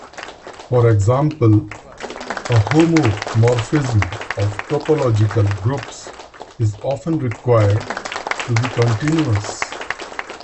For example, a homomorphism of topological groups is often required to be continuous.